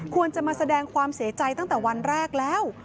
ควรจะมาแสดงความเสียใจตั้งแต่วันแรกแล้ว